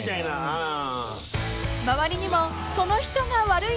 うん。